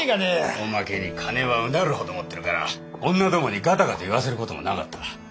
おまけに金はうなるほど持ってるから女どもにがたがた言わせることもなかった。